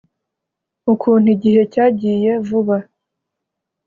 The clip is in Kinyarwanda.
ukuntu igihe cyagiye vuba;